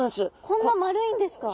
こんな丸いんですか？